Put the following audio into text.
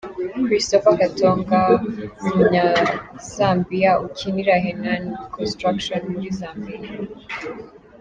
Christopher Katongo – umunyazambiya ukinira Henan Construction muri Zambiya.